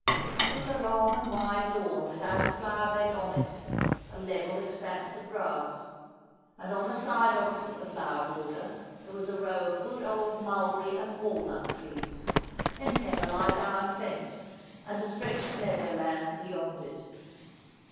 There was a long and wide lawn without a flower bed on it — a level expanse of grass ; and on the side opposite the flower border there was a row of good old mulberry and walnut trees ; then came a light iron fence, and a stretch of meadow land beyond it.